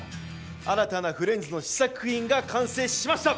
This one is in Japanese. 新たなフレンズの試作品が完成しました！